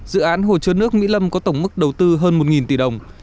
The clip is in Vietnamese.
dự án hồ chứa nước mỹ lâm có tổng mức đầu tư hơn một tỷ đồng